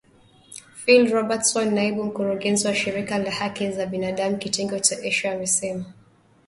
Phil Robertson naibu mkurugenzi wa shirika lahaki za binadamu kitengo cha Asia amesema